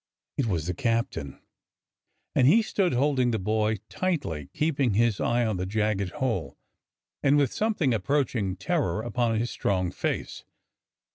" It was the captain, and he stood hold ing the boy tightly, keeping his eye on the jagged hole, and with something approaching terror upon his strong face.